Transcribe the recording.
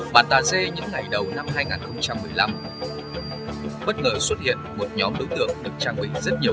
bàn tà dê những ngày đầu năm hai nghìn một mươi năm bất ngờ xuất hiện một nhóm đối tượng được trang bị rất nhiều